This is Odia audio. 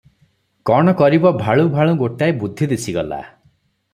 କଣ କରିବ, ଭାଳୁଁ ଭାଳୁଁ ଗୋଟାଏ ବୁଦ୍ଧି ଦିଶିଗଲା ।